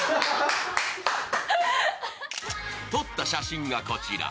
撮った写真がこちら。